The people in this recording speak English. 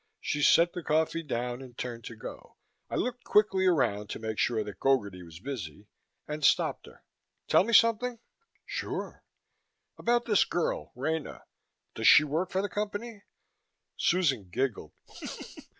She set the coffee down and turned to go. I looked quickly around to make sure that Gogarty was busy, and stopped her. "Tell me something?" "Sure." "About this girl, Rena. Does she work for the Company?" Susan giggled.